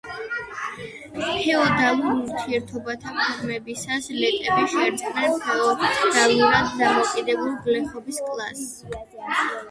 ფეოდალურ ურთიერთობათა ფორმირებისას ლეტები შეერწყნენ ფეოდალურად დამოკიდებულ გლეხობის კლასს.